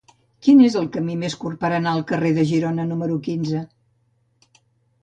Quin és el camí més curt per anar al carrer de Girona número quinze?